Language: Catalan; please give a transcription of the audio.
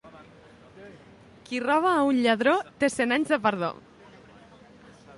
Qui roba a un lladró, té cent anys de perdó.